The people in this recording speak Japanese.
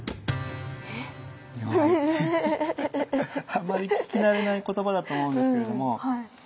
あんまり聞き慣れない言葉だと思うんですけれども。